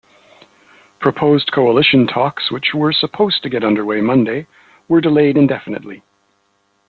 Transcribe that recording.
Proposed coalition talks, which were supposed to get under way Monday, were delayed indefinitely.